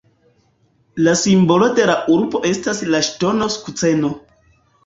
La simbolo de la urbo estas la ŝtono sukceno.